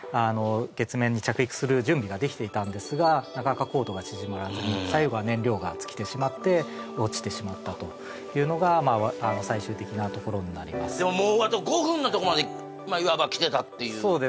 月面に着陸する準備ができていたんですがなかなか高度が縮まらずに最後は燃料が尽きてしまって落ちてしまったというのがまあ最終的なところになりますそうですね